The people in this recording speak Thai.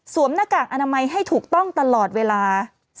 หน้ากากอนามัยให้ถูกต้องตลอดเวลา